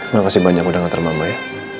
makasih banyak udah ngetermamu ya